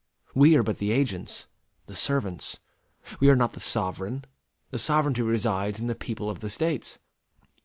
We are but the agents the servants. We are not the sovereign. The sovereignty resides in the people of the States.